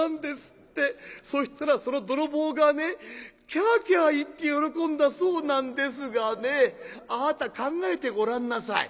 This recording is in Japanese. そしたらその泥棒がねキャーキャー言って喜んだそうなんですがねあなた考えてごらんなさい。